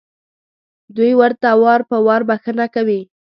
دوی ورته وار په وار بښنه کوي.